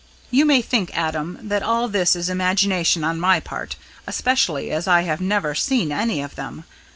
"You may think, Adam, that all this is imagination on my part, especially as I have never seen any of them.